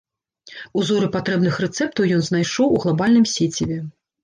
Узоры патрэбных рэцэптаў ён знайшоў у глабальным сеціве.